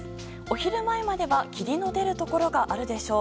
昼前までは霧の出るところがあるでしょう。